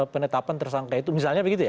penetapan tersangka itu misalnya begitu ya